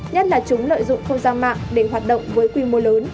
nhất là chúng lợi dụng không gian mạng để hoạt động với quy mô lớn